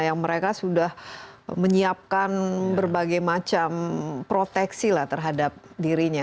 yang mereka sudah menyiapkan berbagai macam proteksi lah terhadap dirinya